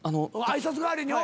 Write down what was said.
挨拶代わりに。